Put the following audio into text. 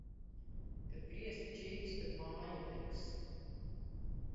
Kad griesti čīkst, tad māja degs.